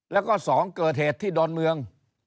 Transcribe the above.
แล้วก็๒เกิดเหตุที่ดอนเมือง